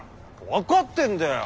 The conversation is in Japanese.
分かってんだよ